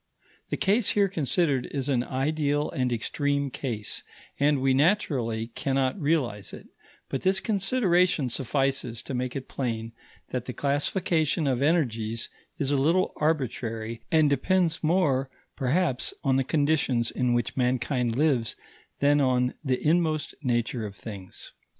The case here considered is an ideal and extreme case, and we naturally cannot realize it; but this consideration suffices to make it plain that the classification of energies is a little arbitrary and depends more, perhaps, on the conditions in which mankind lives than on the inmost nature of things.